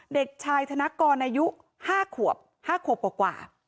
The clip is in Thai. เด็กชายธนกรอายุ๕ขวบ๕ขวบกว่า